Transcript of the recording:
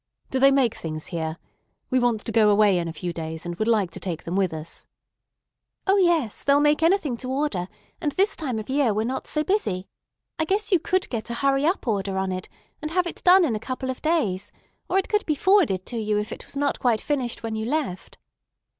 Do they make things here? We want to go away in a few days, and would like to take them with us." "O, yes, they'll make anything to order; and this time of year we're not so busy. I guess you could get a 'hurry up' order on it, and have it done in a couple of days; or it could be forwarded to you if it was not quite finished when you left."